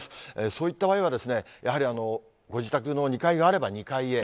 そういった場合は、やはりご自宅の２階があれば２階へ。